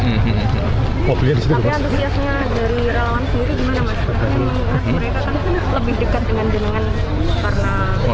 karena mereka kan lebih dekat dengan jenangan